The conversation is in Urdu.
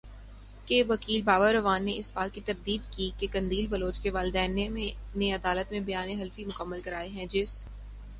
کے وکیل بابر اعوان نے اس بات کی تردید کی کہ قندیل بلوچ کے والدین نے عدالت میں بیان حلفی مکمل کرائے ہیں جس